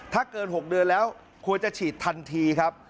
ถ้าเกิน๖เดือนแล้วควรจะฉีดทันทีครับ